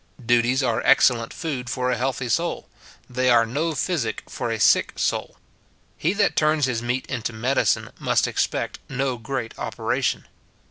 Duties are excellent food for a healthy soul ; they are no physic for a sick soul. He that turns his meat into his medicine must expect no great operation.